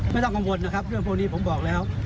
ไม่ต้องกังวลนะครับเรื่องพวกนี้ผมบอกแล้ว